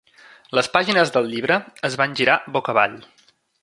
Les pàgines del llibre es van girar boca avall.